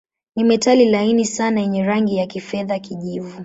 Ni metali laini sana yenye rangi ya kifedha-kijivu.